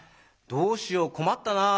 「どうしようこまったなぁ。